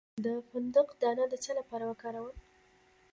د فندق دانه د څه لپاره وکاروم؟